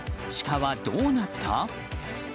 シカはどうなった？